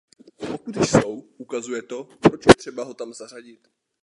Pokud jsou, ukazuje to, proč je třeba ho tam zařadit.